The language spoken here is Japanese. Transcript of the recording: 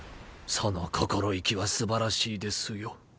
その心意気は素晴らしいですよ。